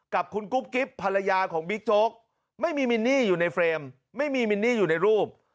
กับคุณกุ๊บกิ๊บภรรยาของบิ๊กโจ๊กไม่มีมินนี่อยู่ในเฟรมไม่มีมินนี่อยู่ในรูป